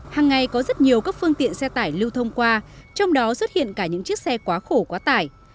hàng ngày có rất nhiều các phương tiện xe tải lưu thông qua trong đó xuất hiện cả những chiếc xe quá khổ quá tải